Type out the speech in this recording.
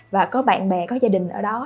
và có bạn bè có gia đình ở đó